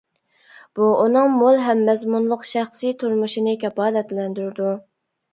بۇ ئۇنىڭ مول ھەم مەزمۇنلۇق شەخسىي تۇرمۇشىنى كاپالەتلەندۈرىدۇ.